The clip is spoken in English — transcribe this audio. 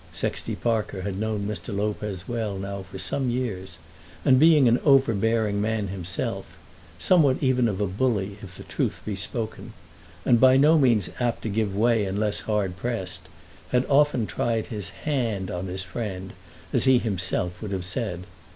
Sexty Parker had known Mr. Lopez well, now for some years, and being an overbearing man himself, somewhat even of a bully if the truth be spoken, and by no means apt to give way unless hard pressed, had often tried his "hand" on his friend, as he himself would have said.